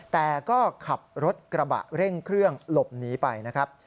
แต่ก็ขับรถกระบะเร่งเครื่องหลบหนีไปนะครับ